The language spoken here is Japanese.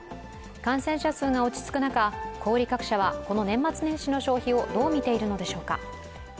感染者数が落ち着く中、小売各社はこの年末年始の消費をどう見ているのでしょうか。